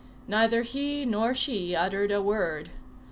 Neither he nor she uttered a word.